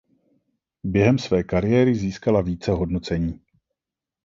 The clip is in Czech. Během své kariéry získala více hodnocení.